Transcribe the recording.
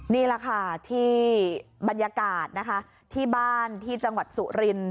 นี่แหละค่ะที่บรรยากาศนะคะที่บ้านที่จังหวัดสุริน